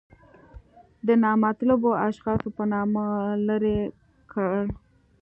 د نامطلوبو اشخاصو په نامه لرې کړل.